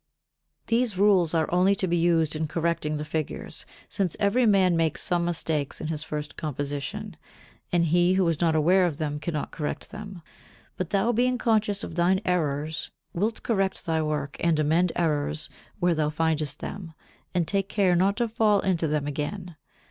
59. These rules are only to be used in correcting the figures, since every man makes some mistakes in his first composition, and he who is not aware of them cannot correct them; but thou being conscious of thine errors wilt correct thy work and amend errors where thou findest them, and take care not to fall into them again.